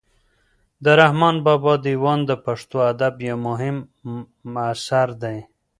د رحمان بابا دېوان د پښتو ادب یو مهم اثر دی.